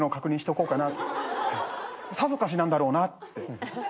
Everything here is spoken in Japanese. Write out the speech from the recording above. さぞかしなんだろうなって。